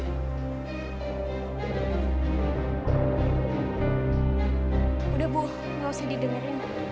sudah bu tidak perlu didengarkan